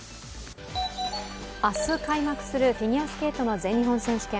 明日開幕するフィギュアスケートの全日本選手権。